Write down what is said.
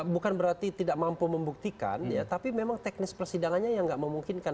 bukan berarti tidak mampu membuktikan ya tapi memang teknis persidangannya yang nggak memungkinkan